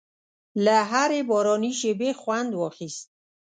له هرې باراني شېبې خوند واخیست.